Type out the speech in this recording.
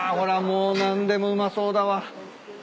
もう何でもうまそうだわ。